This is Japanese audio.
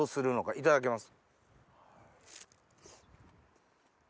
いただきます。